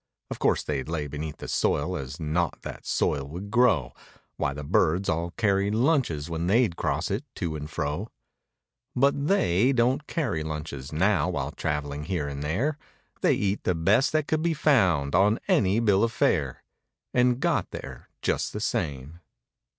(Of course they'd lay beneath the soil as naught that soil would grow, Why the birds all carried lunches when they'd cross it to and fro) But they don't carry lunches now while traveling here and there. They eat the best that could be found on any bill of fare— And got there just the same.